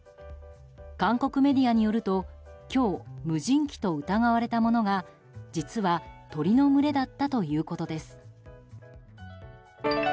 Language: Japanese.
韓国メディアによると今日、無人機と疑われたものが実は、鳥の群れだったということです。